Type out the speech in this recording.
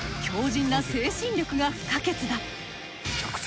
強靭な精神力が不可欠だ。